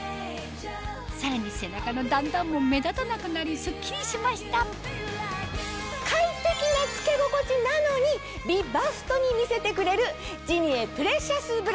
さらに背中の段々も目立たなくなりすっきりしました快適な着け心地なのに美バストに見せてくれるジニエプレシャスブラ。